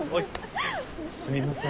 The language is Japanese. すみません。